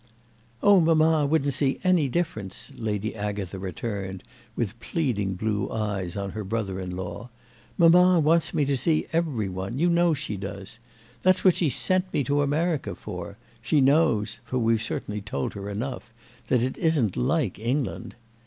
"Oh mamma wouldn't see any difference!" Lady Agatha returned with pleading blue eyes on her brother in law. "Mamma wants me to see every one; you know she does. That's what she sent me to America for; she knows—for we've certainly told her enough—that it isn't like England.